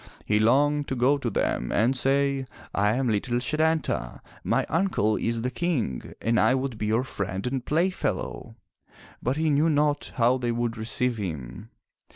He longed to go to them and say, "I am little Setanta. My uncle is the King and I would be your friend and playfellow!'* But he knew not how they would receive him.